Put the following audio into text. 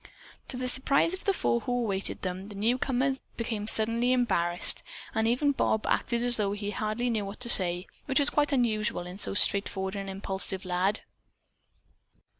To the surprise of the four who awaited them, the newcomers became suddenly embarrassed, and even Bob acted as though he hardly knew what to say, which was quite unusual in so straightforward and impulsive a lad.